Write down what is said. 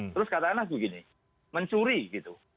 terus katanya lagi begini mencuri gitu